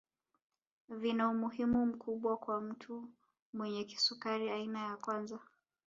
Vina umuhimu mkubwa kwa mtu mwenye kisukari aina ya kwanza